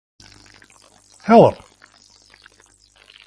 Help.